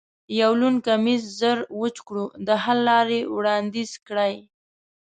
یو لوند کمیس زر وچ کړو، د حل لارې وړاندیز کړئ.